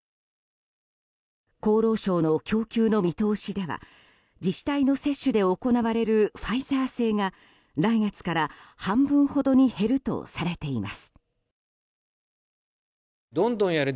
厚労省の供給の見通しでは自治体の接種で行われるファイザー製が来月から半分ほどに減るとされています。